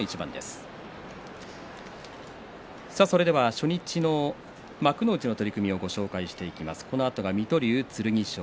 初日の幕内の取組を紹介していきます。